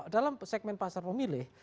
dalam segmen pasar pemilih